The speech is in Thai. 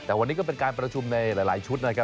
แต่วันนี้ก็เป็นการประชุมในหลายชุดนะครับ